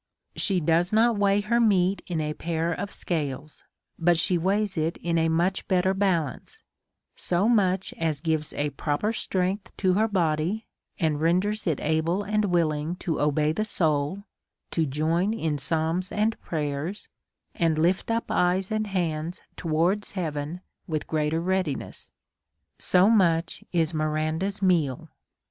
She does not weigh her meat in a pair of scales, but she Aveighs it in a much better ba lance ; so much as gives a proper streng th to her hody, and renders it able and willing to obey the soul, (o join in psalms and prayers, and hft up eyes and DEVOUT AND HOLY LIFE. 79 hands towards heaven with greater readiness, so much is Miranda's meal.